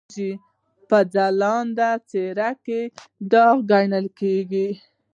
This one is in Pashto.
په ځلانده څېره کې داغ ګڼل کېږي.